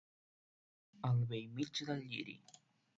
Al bell mig del lliri.